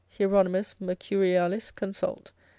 Hieronymus Mercurialis consult.